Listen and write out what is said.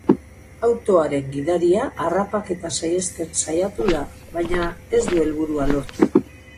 Autoaren gidaria harrapaketa saihesten saiatu da, baina ez du helburua lortu.